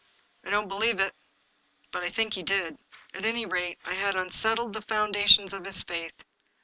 " I don't believe it." But I think he did; at any rate, I had unsettled the foundations of his faith.